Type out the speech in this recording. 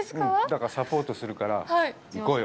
だからサポートするから、行こうよ。